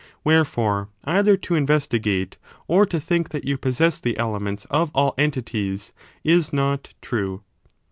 Wherefore, either to investi gate or to think that you possess the elements of all entities is not true.